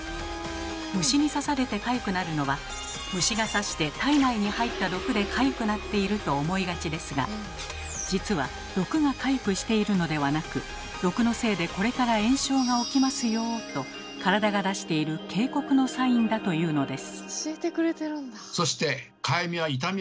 虫に刺されてかゆくなるのは虫が刺して体内に入った毒でかゆくなっていると思いがちですが実は毒がかゆくしているのではなく「毒のせいでこれから炎症が起きますよ」と体が出している警告のサインだというのです。